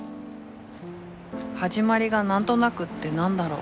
［始まりが何となくって何だろう］